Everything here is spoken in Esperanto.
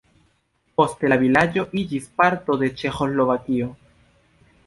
Poste la vilaĝo iĝis parto de Ĉeĥoslovakio.